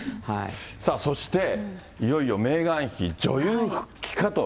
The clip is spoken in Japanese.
さあ、そして、いよいよメーガン妃、女優復帰かと。